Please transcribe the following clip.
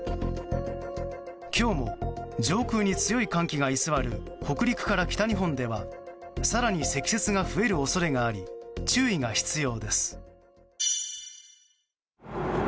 今日も上空に強い寒気が居座る北陸から北日本では更に積雪が増える恐れがあり注意が必要です。